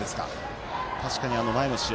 確かに前の試合